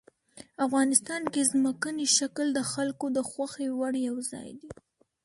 افغانستان کې ځمکنی شکل د خلکو د خوښې وړ یو ځای دی.